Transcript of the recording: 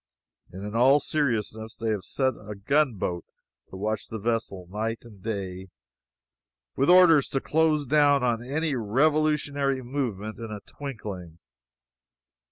And in all seriousness they have set a gun boat to watch the vessel night and day, with orders to close down on any revolutionary movement in a twinkling!